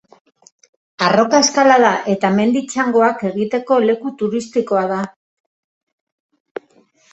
Arroka-eskalada eta mendi txangoak egiteko leku turistikoa da.